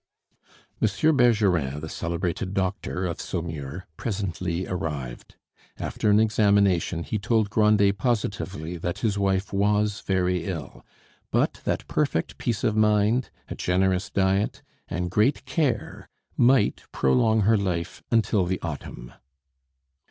Monsieur Bergerin, the celebrated doctor of Saumur, presently arrived. After an examination, he told Grandet positively that his wife was very ill; but that perfect peace of mind, a generous diet, and great care might prolong her life until the autumn.